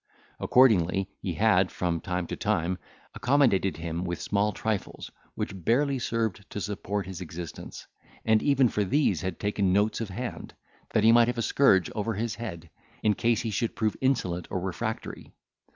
Accordingly he had, from time to time, accommodated him with small trifles, which barely served to support his existence, and even for these had taken notes of hand, that he might have a scourge over his head, in case he should prove insolent or refractory.